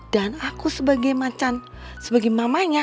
dan aku sebagai macan sebagai mamanya